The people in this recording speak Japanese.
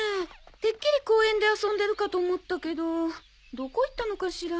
てっきり公園で遊んでるかと思ったけどどこ行ったのかしら？